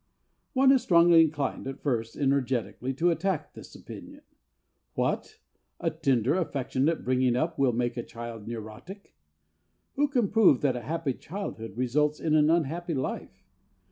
One is strongly inclined at first energetically to attack this opinion. What! A tender, affectionate bringing up will make a child neurotic? Who can prove that a happy childhood results in an unhappy life?